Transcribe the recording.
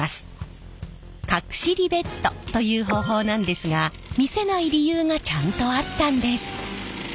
隠しリベットという方法なんですが見せない理由がちゃんとあったんです！